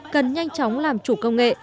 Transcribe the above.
cần nhanh chóng làm chủ công nghệ